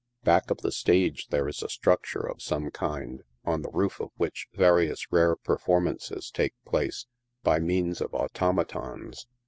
Back of the stage there is a structure of some kind, on the roof of which various rare performances take place, by means of automa tons.